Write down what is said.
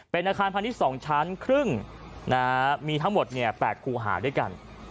เป็นอาคารพาณิชย์๒ชั้นครึ่งมีทั้งหมด๘คู่หาด้วยกัน